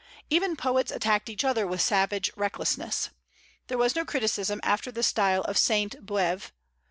Even poets attacked each other with savage recklessness. There was no criticism after the style of Sainte Beuve.